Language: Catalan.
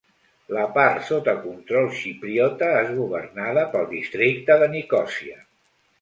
La part sota control xipriota és governada pel districte de Nicòsia.